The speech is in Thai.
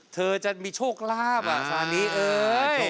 เธอจะมีโชคลาภอ่ะสารนี้เออ